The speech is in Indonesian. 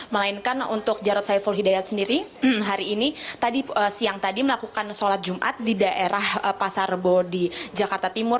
melainkan untuk jarod saiful hidayat sendiri hari ini tadi siang tadi melakukan sholat jumat di daerah pasar bo di jakarta timur